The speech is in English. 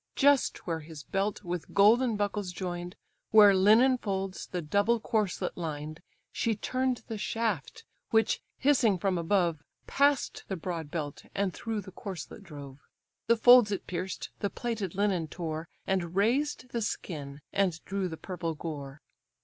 Just where his belt with golden buckles join'd, Where linen folds the double corslet lined, She turn'd the shaft, which, hissing from above, Pass'd the broad belt, and through the corslet drove; The folds it pierced, the plaited linen tore, And razed the skin, and drew the purple gore.